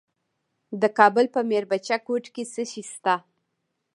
د کابل په میربچه کوټ کې څه شی شته؟